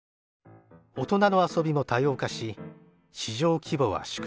大人の遊びも多様化し市場規模は縮小。